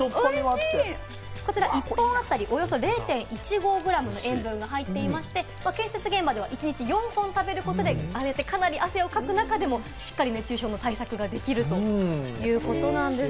１本あたり０．１５グラムの塩分が入っていまして、建設現場では一日４本食べることで、かなり汗をかく中でも、しっかり熱中症対策ができるということなんです。